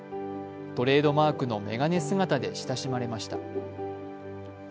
トレードマークの眼鏡姿で親しまれました。